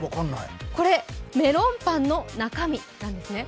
これ、メロンパンの中身です。